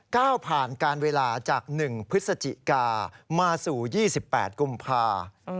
ก้าวผ่านการเวลาจาก๑พฤศจิกามาสู่๒๘กุมภา